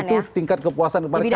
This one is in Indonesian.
itu tingkat kepuasan kepada pak wah pres